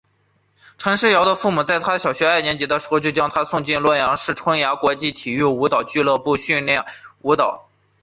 陈世瑶的父母在她小学二年级时就将她送进洛阳市春芽国际体育舞蹈俱乐部练习舞蹈。